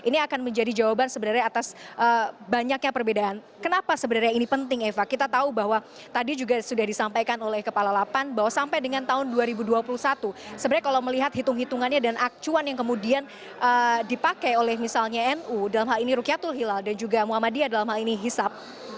ini akan menjadi jawaban sebenarnya atas banyaknya perbedaan kenapa sebenarnya ini penting eva kita tahu bahwa tadi juga sudah disampaikan oleh kepala lapan bahwa sampai dengan tahun dua ribu dua puluh satu sebenarnya kalau melihat hitung hitungannya dan acuan yang kemudian dipakai oleh misalnya nu dalam hal ini rukyatul hilal dan juga muhammadiyah dalam hal ini hisap